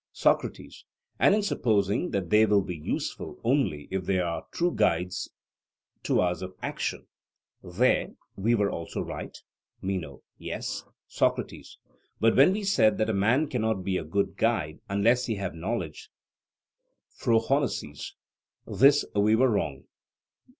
SOCRATES: And in supposing that they will be useful only if they are true guides to us of action there we were also right? MENO: Yes. SOCRATES: But when we said that a man cannot be a good guide unless he have knowledge (phrhonesis), this we were wrong.